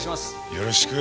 よろしく。